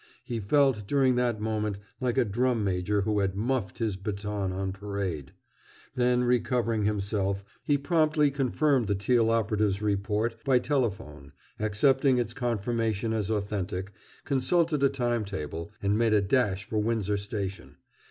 He felt, during that moment, like a drum major who had "muffed" his baton on parade. Then recovering himself, he promptly confirmed the Teal operative's report by telephone, accepted its confirmation as authentic, consulted a timetable, and made a dash for Windsor Station.